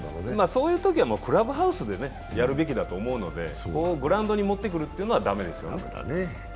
そういうときはクラブハウスでやるべきだと思うので、グラウンドに持ってくるというのは駄目ですよね。